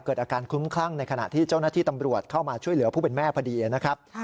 เกิดอาการคลุ้มคลั่งในขณะที่เจ้าหน้าที่ตำรวจเข้ามาช่วยเหลือผู้เป็นแม่พอดีนะครับ